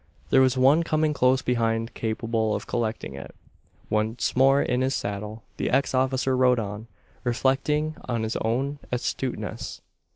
There was one coming close behind capable of collecting it. Once more in his saddle, the ex officer rode on reflecting on his own astuteness.